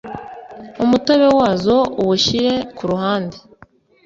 umutobe wazo uwushyire ku ruhande